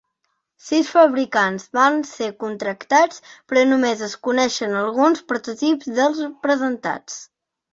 Sis fabricants van ser contractats però només es coneixen alguns prototips dels presentats.